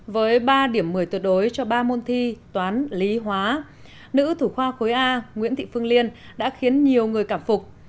với ba điểm một mươi tuyệt đối cho ba môn thi toán lý hóa nữ thủ khoa khối a nguyễn thị phương liên đã khiến nhiều người cảm phục